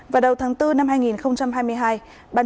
vào đầu tháng bốn năm hai nghìn hai mươi hai